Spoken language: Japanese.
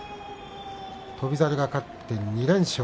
翔猿が勝って２連勝。